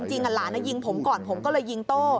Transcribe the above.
จริงหลานยิงผมก่อนผมก็เลยยิงโต้